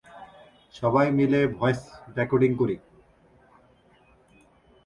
এরপর তিনি 'দুল-'দ্জিন-থাগ-মা-পা-কা-বা-দার-সেং নামক পণ্ডিতের নিকট লাম-রিম ও অচল সাধনা সম্বন্ধে শিক্ষালাভ করেন।